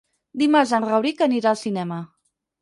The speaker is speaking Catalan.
Dimarts en Rauric anirà al cinema.